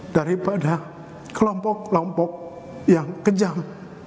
daripada kelompok kelompok yang kejam